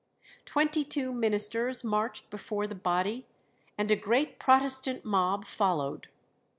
Twenty two ministers marched before the body, and a great Protestant mob followed.